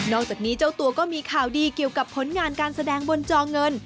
อกจากนี้เจ้าตัวก็มีข่าวดีเกี่ยวกับผลงานการแสดงบนจอเงิน